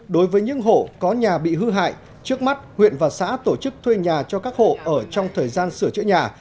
đối với những hộ có nhà bị hư hại trước mắt huyện và xã tổ chức thuê nhà cho các hộ ở trong thời gian sửa chữa nhà